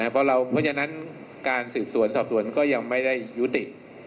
เพราะฉะนั้นการสืบสวนสอบสวนก็ยังไม่ได้ยุติ